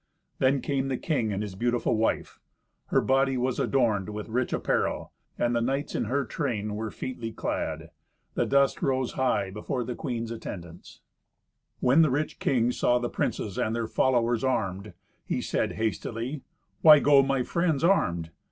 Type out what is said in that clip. Then came the king and his beautiful wife. Her body was adorned with rich apparel, and the knights in her train were featly clad. The dust rose high before the queen's attendants. When the rich king saw the princes and their followers armed, he said hastily, "Why go my friends armed?